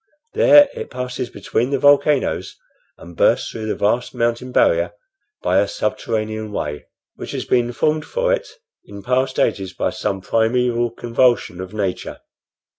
There it passes between the volcanoes and bursts through the vast mountain barrier by a subterranean way, which has been formed for it in past ages by some primeval convulsion of nature.